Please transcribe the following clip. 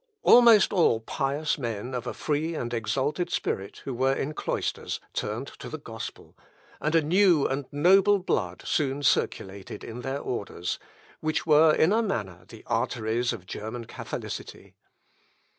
Almost all pious men of a free and exalted spirit who were in cloisters, turned to the gospel, and a new and noble blood soon circulated in their orders, which were in a manner the arteries of German Catholicity.